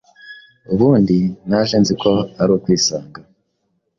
ubundi naje nzi ko ari ukwisanga.”